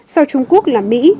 sau trung quốc là mỹ